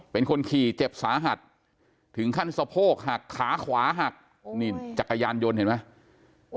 เป็นคนขี่เจ็บสาหัสถึงขั้นสะโพกหักขาขวาหักนี่จักรยานยนต์เห็นไหม